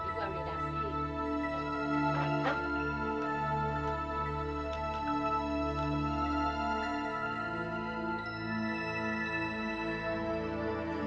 ibu ambil dasi